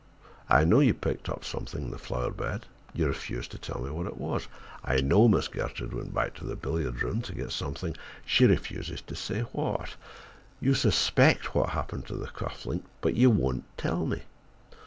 I know you picked up something in the flower bed: you refuse to tell me what it was. I know Miss Gertrude went back to the billiard room to get something, she refuses to say what. You suspect what happened to the cuff link, but you won't tell me.